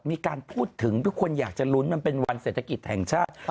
มีการพูดถึงทุกคนอยากจะลุ้นมันเป็นวันเศรษฐกิจแห่งชาติ